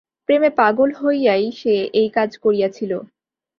প্রেমে পাগল হইয়াই সে এই কাজ করিয়াছিল।